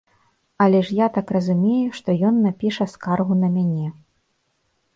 Але ж я так разумею, што ён напіша скаргу на мяне.